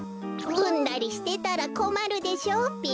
うんだりしてたらこまるでしょうべ。